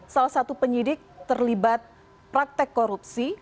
salah satu penyidik terlibat praktek korupsi